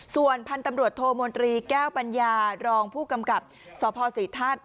ส่วนพันธุ์ตำรวจโทมนตรีแก้วปัญญารองผู้กำกับสพศรีทัศน์